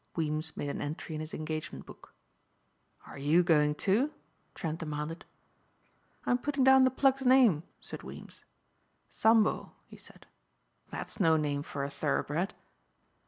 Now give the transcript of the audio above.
Weems made an entry in his engagement book. "Are you going, too?" Trent demanded. "I'm putting down the plug's name," said Weems, "Sambo," he said. "That's no name for a thoroughbred.